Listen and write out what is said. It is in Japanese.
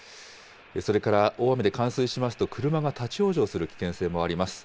それから大雨で冠水しますと、立往生する危険性もあります。